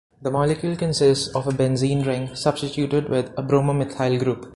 The molecule consists of a benzene ring substituted with a bromomethyl group.